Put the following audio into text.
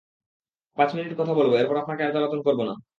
পাঁচ মিনিট কথা বলব, এরপর আপনাকে আর জ্বালাতন করব না!